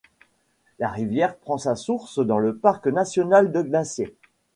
La rivière prend sa source dans le parc national de Glacier.